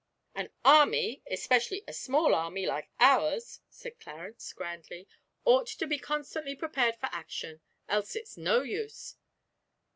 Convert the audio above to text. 'An army, especially a small army, like ours,' said Clarence, grandly, 'ought to be constantly prepared for action; else it's no use.